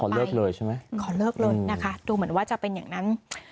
เลิกเลยใช่ไหมขอเลิกเลยนะคะดูเหมือนว่าจะเป็นอย่างนั้น